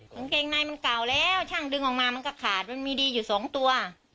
กางเกงในมันเก่าแล้วช่างดึงออกมามันก็ขาดมันมีดีอยู่สองตัว